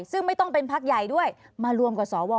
ซึ่งไม่ต้องเป็นพักใหญ่ด้วยมารวมกับสว